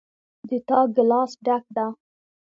د تا ګلاس ډک ده